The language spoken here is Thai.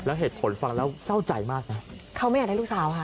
แล้วเหตุผลฟังแล้วเศร้าใจมากนะเขาไม่อยากได้ลูกสาวค่ะ